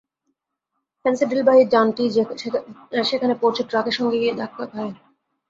ফেনসিডিলবাহী যানটি সেখানে পৌঁছে ট্রাকের সঙ্গে গিয়ে ধাক্কা খায়।